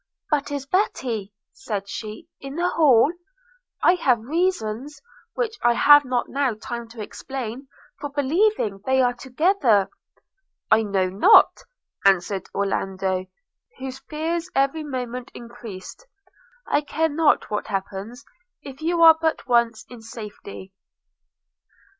'But is Betty,' said she, 'in the hall? I have reasons, which I have not now time to explain, for believing they are together.' 'I know not,' answered Orlando, whose fears every moment increased; 'I care not what happens if you are but once in safety.'